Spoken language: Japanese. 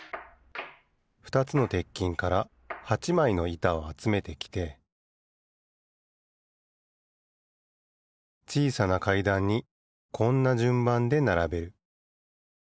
ふたつの鉄琴から８まいのいたをあつめてきてちいさな階段にこんなじゅんばんでならべる。